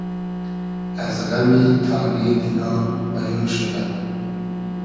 از غئمی تانې دیگا بئیۉ شودۂ